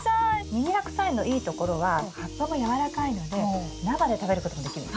ミニハクサイのいいところは葉っぱも軟らかいので生で食べることもできるんです。